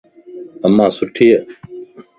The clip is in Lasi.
امان سٺي ائي.